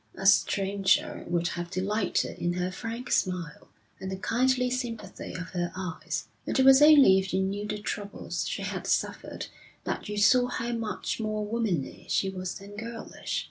A stranger would have delighted in her frank smile and the kindly sympathy of her eyes; and it was only if you knew the troubles she had suffered that you saw how much more womanly she was than girlish.